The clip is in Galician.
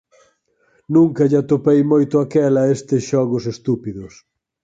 Nunca lle atopei moito aquel a estes xogos estúpidos.